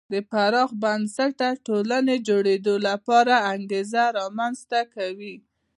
د پراخ بنسټه ټولنې جوړېدو لپاره انګېزه رامنځته کوي.